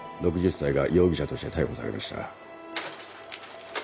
６０歳が容疑者として逮捕されました。